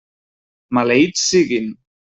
Maleïts siguin!